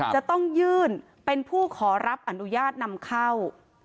จะต้องยื่นเป็นผู้ขอรับอนุญาตนำเข้า